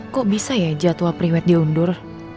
kok bisa ya jadwal priwet diundur